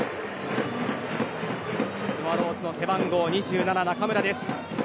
スワローズの背番号２７、中村。